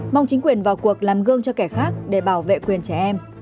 mong chính quyền vào cuộc làm gương cho kẻ khác để bảo vệ quyền trẻ em